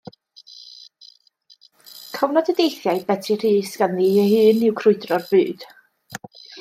Cofnod o deithiau Beti Rhys ganddi hi ei hun yw Crwydro'r Byd.